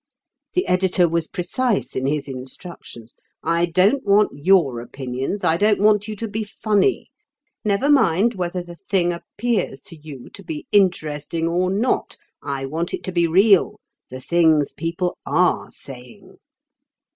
The editor was precise in his instructions. 'I don't want your opinions; I don't want you to be funny; never mind whether the thing appears to you to be interesting or not. I want it to be real, the things people are saying.